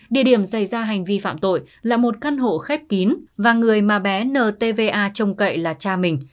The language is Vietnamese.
địa điểm xảy ra hành vi phạm tội là một căn hộ khép kín và người mà bé ntva trông cậy là cha mình